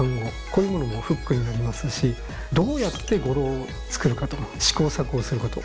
こういうものもフックになりますしどうやって語呂を作るかと試行錯誤すること。